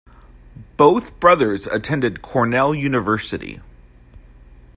Both brothers attended Cornell University.